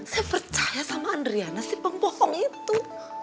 saya percaya sama andriana si pembohong itu